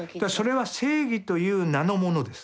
それは正義という名のものです。